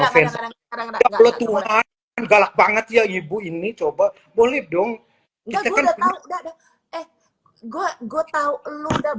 fans galak banget ya ibu ini coba boleh dong enggak enggak enggak enggak enggak enggak enggak